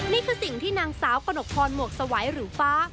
นี่คือสิ่งที่นางสาวกระหนกพรหมวกสวัยหรือฟ้า